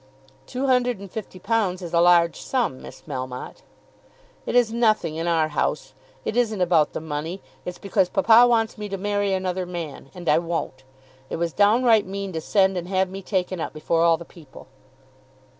"Two hundred and fifty pounds is a large sum, Miss Melmotte." "It is nothing in our house. It isn't about the money. It's because papa wants me to marry another man; and I won't. It was downright mean to send and have me taken up before all the people."